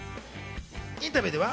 インタビューでは。